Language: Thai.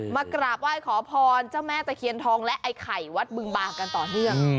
มากราบไหว้ขอพรเจ้าแม่ตะเคียนทองและไอ้ไข่วัดบึงบางกันต่อเนื่อง